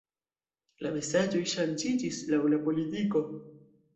La mesaĝoj ŝanĝiĝis laŭ la politiko.